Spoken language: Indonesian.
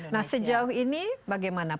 nah sejauh ini bagaimana